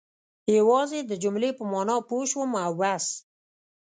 یوازې د جملې په معنا پوه شوم او بس.